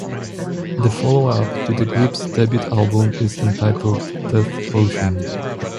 The follow-up to the group's debut album is entitled "Death Potion".